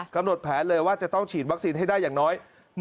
แผนเลยว่าจะต้องฉีดวัคซีนให้ได้อย่างน้อย